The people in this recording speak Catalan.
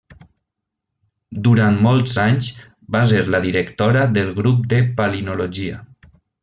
Durant molts anys va ser la directora del grup de palinologia.